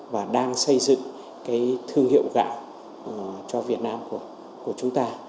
và đang xây dựng cái thương hiệu gạo cho việt nam của chúng ta